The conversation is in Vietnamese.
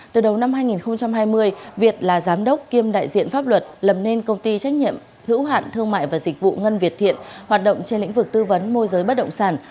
từ đầu năm hai nghìn hai mươi việt là giám đốc kiêm đại diện pháp luật lầm nên công ty trách nhiệm hữu hạn thương mại và dịch vụ ngân việt thiện hoạt động trên lĩnh vực tư vấn môi giới bất động sản